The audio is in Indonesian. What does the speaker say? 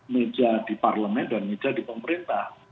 meja di parlemen dan meja di pemerintah